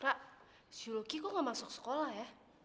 ra si yuluki kok gak masuk sekolah ya